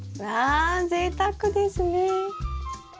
わぜいたくですね。